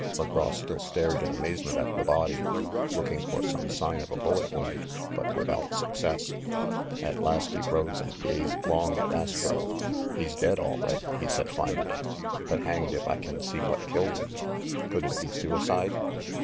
McGraw still stared in amazement at the body, look ing for some sign of a bullet wound, but without suc cess. At last he arose, and gazed long at Astro. "He's dead, all right," he said finally ; "but hanged if I can see what killed him! Could it be suicide?